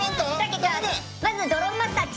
まずドローンマスターッチ。